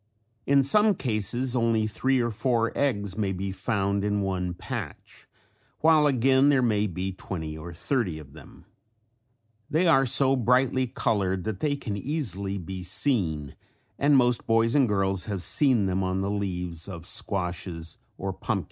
In some cases only three or four eggs may be found in one patch while again there may be twenty or thirty of them. They are so brightly colored that they can easily be seen and most boys and girls have seen them on the leaves of squashes or pumpkins.